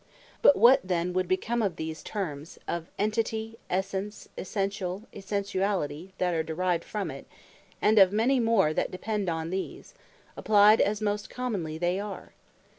But what then would become of these Terms, of Entity, Essence, Essentiall, Essentially, that are derived from it, and of many more that depend on these, applyed as most commonly they are?